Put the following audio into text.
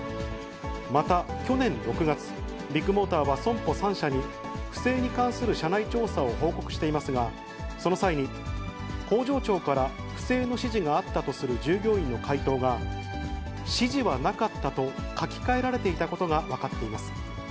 また去年６月、ビッグモーターは損保３社に不正に関する社内調査を報告していますが、その際に工場長から不正の指示があったとする従業員の回答が、指示はなかったと書き換えられていたことが分かっています。